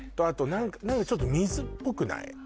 あと何かちょっと水っぽくない？